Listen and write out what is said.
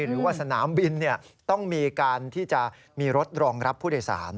หรือว่าสนามบินต้องมีการที่จะมีรถรองรับผู้โดยสาร